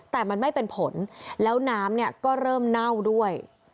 แต่มันไม่เป็นผลแล้วน้ำเนี่ยก็เริ่มเน่าด้วย